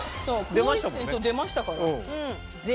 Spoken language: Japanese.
出ましたから。